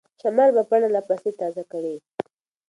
شمال به پاڼه لا پسې تازه کړي.